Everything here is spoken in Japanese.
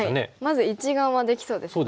まず１眼はできそうですね。